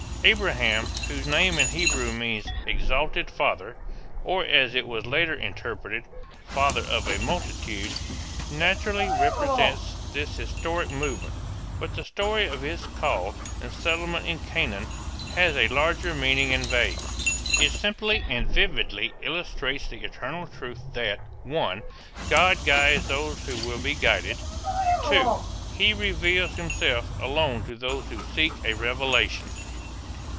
Abraham, whose name in Hebrew means, "Exalted Father," or as it was later interpreted, "Father of a Multitude," naturally represents this historic movement, but the story of his call and settlement in Canaan has a larger meaning and value. It simply and vividly illustrates the eternal truths that (1) God guides those who will be guided. (2) He reveals himself alone to those who seek a revelation.